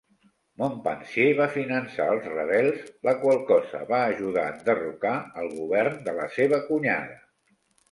Montpensier va finançar els rebels, la qual cosa va ajudar a enderrocar el govern de la seva cunyada.